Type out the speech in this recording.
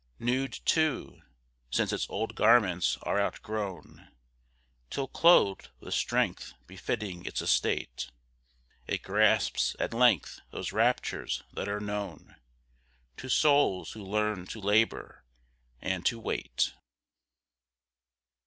Nude too, since its old garments are outgrown; Till clothed with strength befitting its estate, It grasps at length those raptures that are known To souls who learn to labour, and to wait.